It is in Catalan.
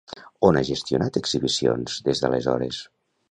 On ha gestionat exhibicions, des d'aleshores?